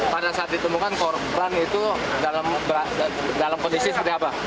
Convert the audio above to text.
pada saat ditemukan korban itu dalam kondisi seperti apa